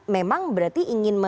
memang berarti ingin me